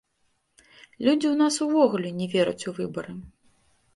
Людзі ў нас увогуле не вераць у выбары.